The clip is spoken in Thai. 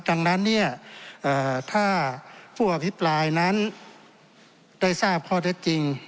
ดังนั้นเนี่ยถ้าผู้อภิปรายนั้นได้ทราบข้อเท็จจริง